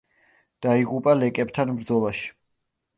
დაიღუპა ლეკებთან ბრძოლაში.